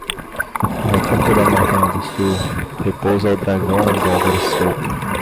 No topo da montanha do sul, repousa o dragão do alvorecer.